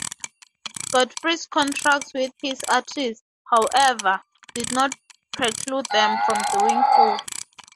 Godfrey's contracts with his artists, however, did not preclude them from doing so.